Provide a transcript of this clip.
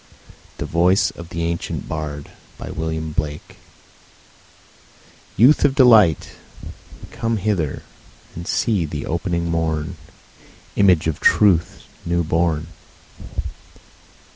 THE VOICE OF THE ANCIENT BARD Youth of delight! come hither And see the opening morn, Image of Truth new born.